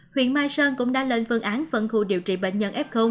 huyện mai sơn cũng đã lên phương án phân khu điều trị bệnh nhân f